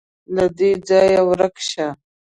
_له دې ځايه ورک شه.